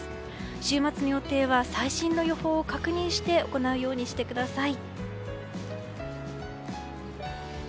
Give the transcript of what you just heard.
週末の予定は最新の予定を確認して行うようにしてください。